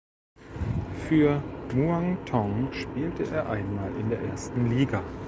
Für Muangthong spielte er einmal in der Ersten Liga.